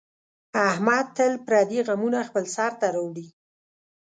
احمد تل پردي غمونه خپل سر ته راوړي.